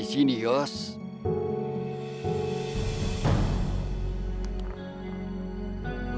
kasian di anda